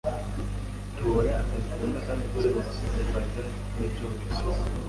Tora akazi ukunda kandi ukora bizasa nkibyoroshye